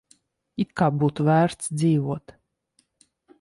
It kā būtu vērts dzīvot.